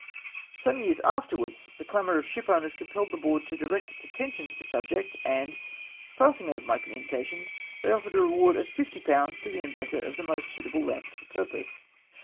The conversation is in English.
Some few years afterwards, the clamour of ship owners compelled tlie Board to direct its attention to the subject, and, passing over my communications, they offered a reward of fifty pounds to the inventor of the most suitable lamp for the purpose.